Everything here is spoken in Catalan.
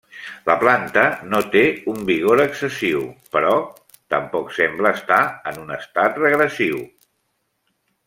La planta no té un vigor excessiu, però tampoc sembla estar en un estat regressiu.